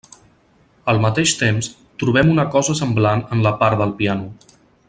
Al mateix temps, trobem una cosa semblant en la part del piano.